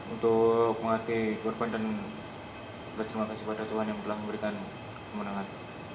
untuk menghati korban dan berterima kasih kepada tuhan yang telah memberikan kemenangan